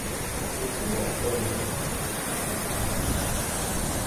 Ku fɨ ngo' feyn fɨ̀.